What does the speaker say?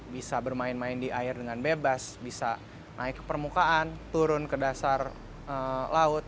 bisa bermain main di air dengan bebas bisa naik ke permukaan turun ke dasar laut